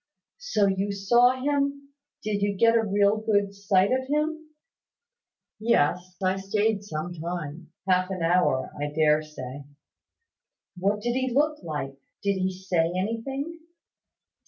"So you saw him! Did you get a real good sight of him?" "Yes. I stayed some time; half an hour, I dare say." "What did he look like? Did he say anything?"